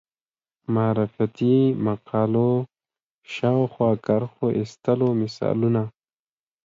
معرفتي مقولو شاوخوا کرښو ایستلو مثالونه